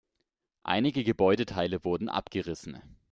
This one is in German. Einige Gebäudeteile wurden abgerissen.